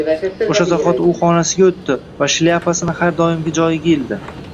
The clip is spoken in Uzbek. O`sha zahoti u xonasiga o`tdi va shlyapasini har doimgi joyiga ildi